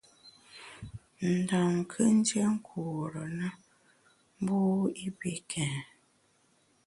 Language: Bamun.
Ndam kù ndié nkure na mbu i pi kèn.